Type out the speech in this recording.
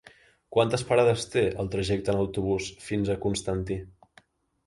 Quantes parades té el trajecte en autobús fins a Constantí?